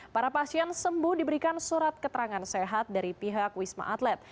para pasien sembuh diberikan surat keterangan sehat dari pihak wisma atlet